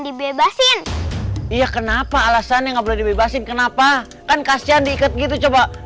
dibebasin iya kenapa alasannya nggak boleh dibebasin kenapa kan kasian diikat gitu coba